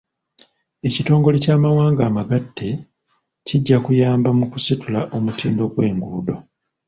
Ekitongole ky'amawanga amagatte kijja kuyamba mu kusitula omutindo gw'enguudo.